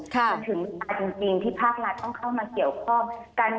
ถึงเมื่อจริงที่ภาครัฐต้องเข้ามาเกี่ยวข้อ